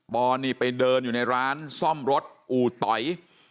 อนี่ไปเดินอยู่ในร้านซ่อมรถอูตอย